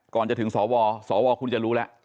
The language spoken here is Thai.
ก่อนจะถึงสวสวคุณจะรู้แล้ว